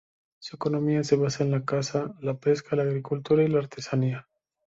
Su economía se basa en la caza, la pesca, la agricultura y la artesanía.